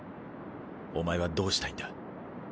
お前はどうしたいんだ？